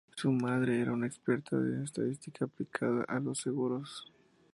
Su madre era una experta en estadística aplicada a los seguros.